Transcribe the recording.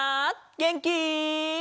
げんき？